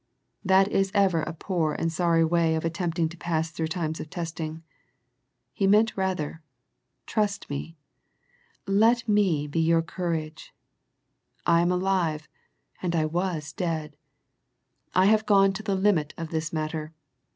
That is ever a poor and sorry way of attempting to pass through times of testing. He meant rather, Trust Me, let Me be your courage. I am alive, and I was dead. I have gone to the limit of this matter..